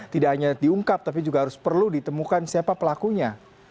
tidak hanya diungkap tapi juga harus perlu ditemukan siapa pelakunya